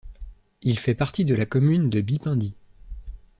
Il fait partie de la commune de Bipindi.